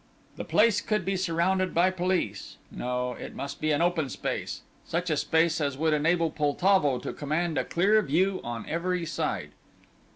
The place could be surrounded by police. No, it must be an open space; such a space as would enable Poltavo to command a clear view on every side.